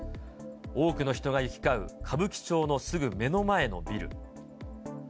多くの人が行き交う歌舞伎町のすぐ目の前のビル。